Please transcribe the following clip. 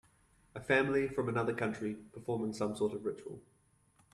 A family from another country performing some sort of ritual